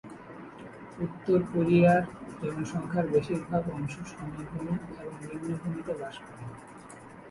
উত্তর কোরিয়ার জনসংখ্যার বেশিরভাগ অংশ সমভূমি এবং নিম্নভূমিতে বাস করে।